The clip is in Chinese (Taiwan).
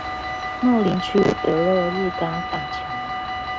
茂林區得樂日嘎大橋